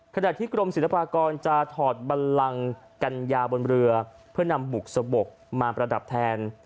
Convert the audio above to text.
ขณะที่กรมศิลปากรจะถอดบันลังกัญญาบนเรือเพื่อนำบุกสะบกมาประดับแทน